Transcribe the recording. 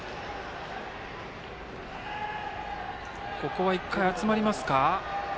ここは一回、集まりますか。